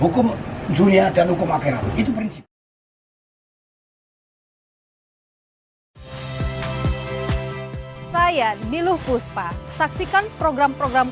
hukum dunia dan hukum akhirat itu prinsipnya saya niluh puspa saksikan program program